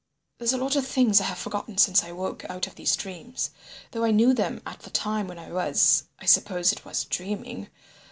There's a lot of things I have forgotten since I woke out of these dreams, though I knew them at the time when I was—I suppose it was dreaming.